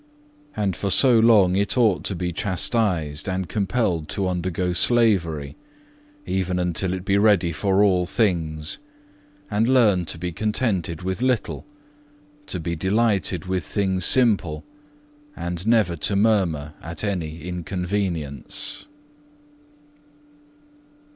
And for so long it ought to be chastised and compelled to undergo slavery, even until it be ready for all things, and learn to be contented with little, to be delighted with things simple, and never to murmur at any inconvenience."